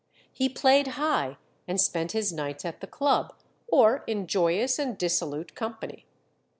He played high, and spent his nights at the club, or in joyous and dissolute company.